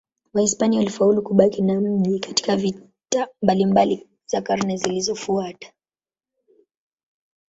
Wahispania walifaulu kubaki na mji katika vita mbalimbali za karne zilizofuata.